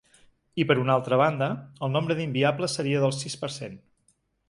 I, per una altra banda, el nombre d’inviables seria del sis per cent.